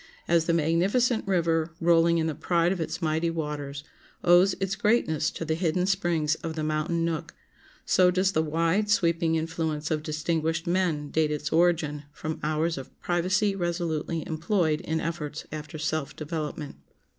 As the magnificent river, rolling in the pride of its mighty waters, owes its greatness to the hidden springs of the mountain nook, so does the wide, sweeping influence of distinguished men date its origin from hours of privacy resolutely employed in efforts after self development.